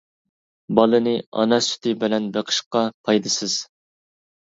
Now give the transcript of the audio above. بالىنى ئانا سۈتى بىلەن بېقىشقا پايدىسىز.